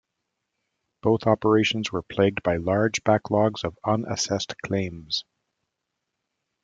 Both operations were plagued by large backlogs of unassessed claims.